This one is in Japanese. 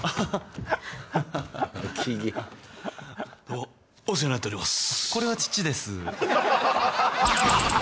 どうもお世話になっております